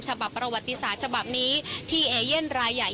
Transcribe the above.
ฉบับประวัติศาสตร์ฉบับนี้ที่เอเย่นรายใหญ่